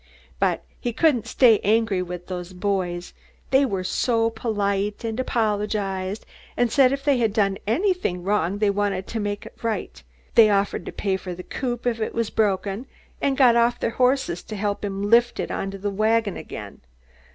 But he couldn't stay angry with those boys. They were so polite, and apologised, and said if they had done anything wrong they wanted to make it right. They offered to pay for the coop if it was broken, and got off their horses to help him lift it on to the wagon again.